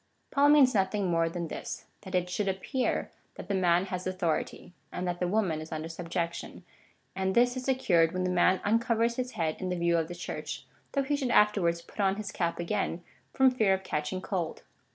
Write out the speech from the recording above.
Paul means nothing more than this — that it should appear that the man has authority, and that the woman is under subjection, and this is secured when the man uncovers his head in the view of the Church, though he should afterwards put on his cap again from fear of catching cold.